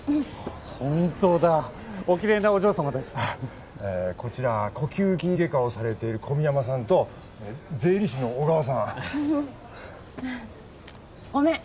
ホントだおきれいなお嬢様でこちら呼吸器外科をされている小宮山さんと税理士の小川さんごめん